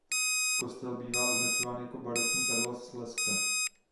Kostel bývá označován jako „barokní perla Slezska“.